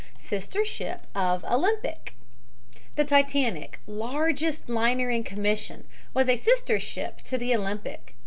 SISTER SHIP OF OLYMPIC The Titanic, largest liner in commission, was a sister ship of the Olympic.